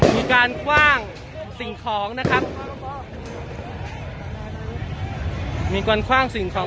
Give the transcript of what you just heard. มีการคว่างสิ่งของนะครับมีการคว่างสิ่งของ